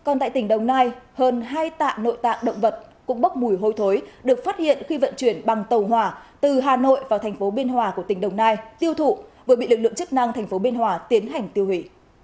còn tại tỉnh đồng nai hơn hai tạ nội tạng động vật cũng bốc mùi hôi thối được phát hiện khi vận chuyển bằng tàu hỏa từ hà nội vào thành phố biên hòa của tỉnh đồng nai tiêu thụ vừa bị lực lượng chức năng thành phố biên hòa tiến hành tiêu hủy